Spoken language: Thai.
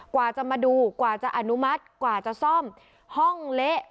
กว่าจะมาดูกว่าจะอนุมัติกว่าจะซ่อมห้องเละ